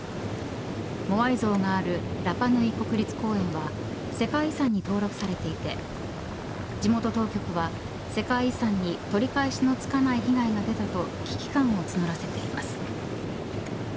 モアイ像があるラパヌイ国立公園は世界遺産に登録されていて地元当局は世界遺産に取り返しのつかない被害が出たと危機感を募らせています。